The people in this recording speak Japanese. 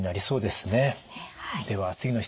そうですねはい。